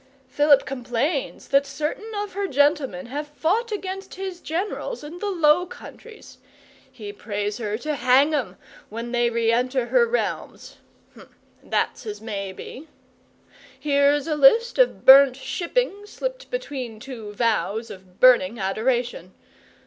Philip complains that certain of her gentlemen have fought against his generals in the Low Countries. He prays her to hang 'em when they re enter her realms. (Hm, that's as may be.) Here's a list of burnt shipping slipped between two vows of burning adoration.